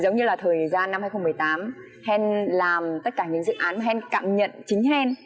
giống như là thời gian năm hai nghìn một mươi tám hèn làm tất cả những dự án mà hèn cảm nhận chính hèn